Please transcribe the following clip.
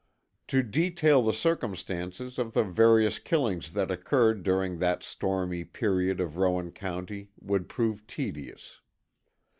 To detail the circumstances of the various killings that occurred during that stormy period of Rowan County would prove tedious.